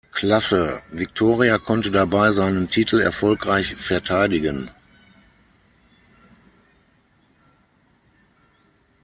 Klasse, Victoria konnte dabei seinen Titel erfolgreich verteidigen.